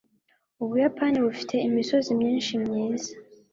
Ubuyapani bufite imisozi myinshi myiza.